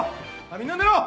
みんな寝ろ！